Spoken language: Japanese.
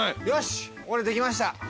よしっ俺できました。